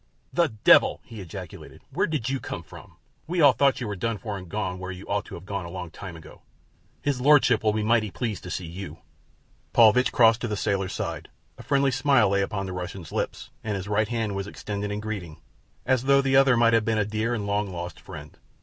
"The devil!" he ejaculated. "Where did you come from? We all thought you were done for and gone where you ought to have gone a long time ago. His lordship will be mighty pleased to see you." Paulvitch crossed to the sailor's side. A friendly smile lay on the Russian's lips, and his right hand was extended in greeting, as though the other might have been a dear and long lost friend.